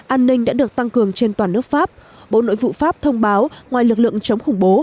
an ninh đã được tăng cường trên toàn nước pháp bộ nội vụ pháp thông báo ngoài lực lượng chống khủng bố